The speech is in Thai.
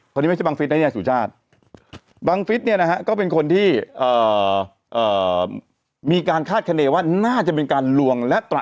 คนนี้ไม่ใช่บังฤษนะเนี่ยสุชาติ